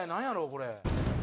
これ。